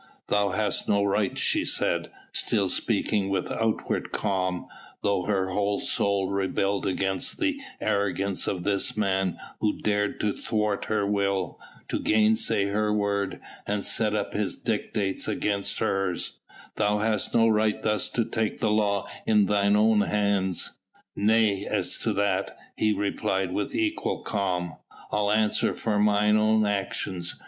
"Thou hast no right," she said, still speaking with outward calm, though her whole soul rebelled against the arrogance of this man who dared to thwart her will, to gainsay her word, and set up his dictates against hers, "thou hast no right thus to take the law in thine own hands." "Nay! as to that," he replied with equal calm, "I'll answer for mine own actions.